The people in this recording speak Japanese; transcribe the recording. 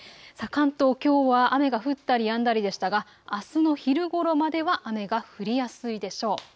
東京は雨が降ったりやんだりでしたがあすの昼ごろまでは雨が降りやすいでしょう。